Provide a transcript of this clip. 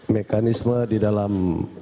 mekanisme di dalam